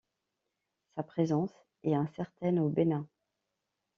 Sa présence est incertaine au Bénin.